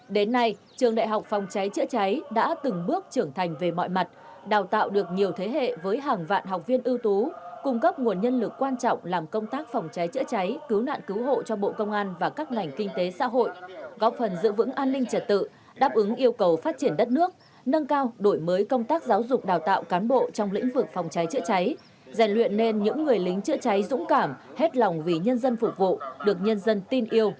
đến nay trường đại học phòng cháy chữa cháy đã từng bước trưởng thành về mọi mặt đào tạo được nhiều thế hệ với hàng vạn học viên ưu tú cung cấp nguồn nhân lực quan trọng làm công tác phòng cháy chữa cháy cứu nạn cứu hộ cho bộ công an và các ngành kinh tế xã hội góp phần giữ vững an ninh trật tự đáp ứng yêu cầu phát triển đất nước nâng cao đổi mới công tác giáo dục đào tạo cán bộ trong lĩnh vực phòng cháy chữa cháy giải luyện nên những người lính chữa cháy dũng cảm hết lòng vì nhân dân phục vụ được nhân dân tin yêu